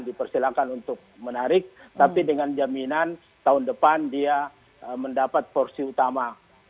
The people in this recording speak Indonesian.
dipersilakan untuk menarik tapi dengan jaminan tahun depan dia mendapat porsi utama